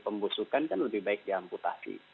pembusukan kan lebih baik diamputasi